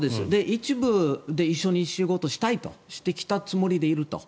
一部で一緒に仕事をしたいと指摘したつもりでいると。